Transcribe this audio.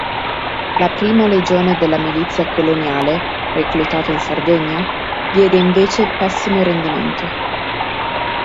La I legione della Milizia coloniale, reclutata in Sardegna, diede invece pessimo rendimento.